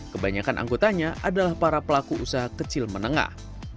kebanyakan anggotanya adalah para pelaku usaha kecil menengah